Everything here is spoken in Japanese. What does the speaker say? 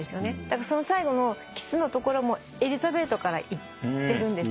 だからその最後のキスのところもエリザベートからいってるんですね。